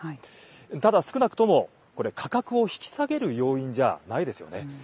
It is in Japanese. ただ、少なくともこれ、価格を引き下げる要因じゃないですよね。